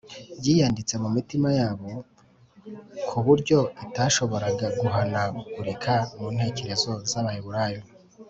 byiyanditse mu mitima yabo ku buryo itashoboraga guhanagurika mu ntekerezo z’abaheburayo.